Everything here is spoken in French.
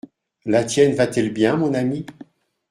La tienne va-t-elle bien, mon ami ?